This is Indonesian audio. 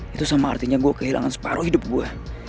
itu sama artinya gue kehilangan separuh hidup gue